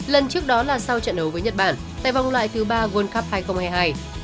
lần trước đó là sau trận đấu với nhật bản tại vòng loại thứ ba world cup hai nghìn hai mươi hai